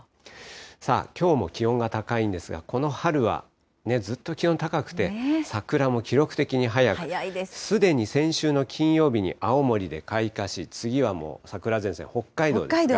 さあ、きょうも気温が高いんですが、この春はずっと気温高くて、桜も記録的に早く、すでに先週の金曜日に青森で開花し、次はもう、桜前線、北海道ですか。